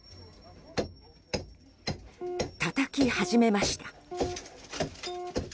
たたき始めました。